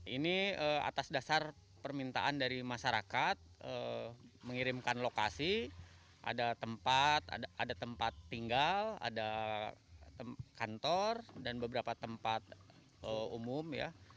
ini atas dasar permintaan dari masyarakat mengirimkan lokasi ada tempat ada tempat tinggal ada kantor dan beberapa tempat umum